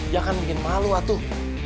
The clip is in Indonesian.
dia kan bikin malu atuh